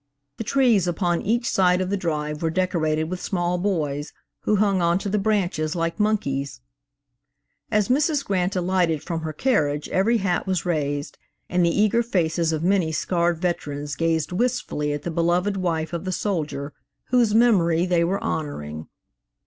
The trees upon each side of the drive were decorated with small boys, who hung on to the branches like monkeys. As Mrs. Grant alighted from her carriage every hat was raised, and the eager faces of many scarred veterans gazed wistfully at the beloved wife of the soldier whose memory they were honoring.